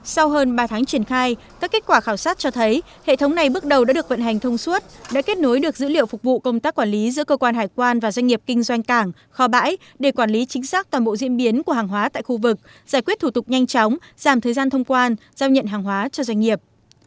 sau hơn ba tháng triển khai các kết quả khảo sát cho thấy hệ thống này bước đầu đã được vận hành thông suốt đã kết nối được dữ liệu phục vụ công tác quản lý giữa cơ quan hải quan và doanh nghiệp kinh doanh cảng kho bãi để quản lý chính xác toàn bộ diễn biến của hàng hóa tại khu vực giải quyết thủ tục nhanh chóng giảm thời gian thông quan giao nhận hàng hóa cho doanh nghiệp